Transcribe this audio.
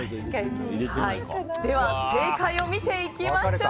では、正解を見ていきましょう。